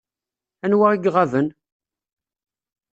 Anwa i iɣaben?